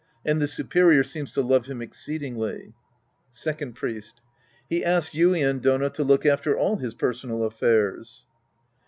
And the superior seems to love him exceedingly. Second Priest. He asks Yuien Dono to look after all his personal affairs.